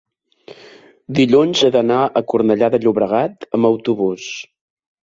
dilluns he d'anar a Cornellà de Llobregat amb autobús.